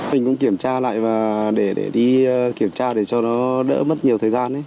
mình cũng kiểm tra lại và để đi kiểm tra để cho nó đỡ mất nhiều thời gian